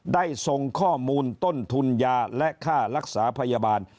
ได้ส่งข้อมูลต้นทุนยาและค่ารักษาพยาบาล